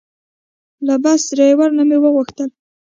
له بس ډریور نه مې وغوښتل.